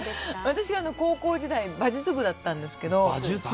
私は高校時代馬術部だったんですけど。